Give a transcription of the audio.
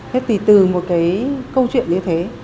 thế thì từ một cái câu chuyện như thế